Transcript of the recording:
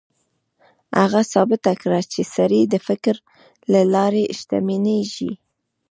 هغه ثابته کړه چې سړی د فکر له لارې شتمنېږي.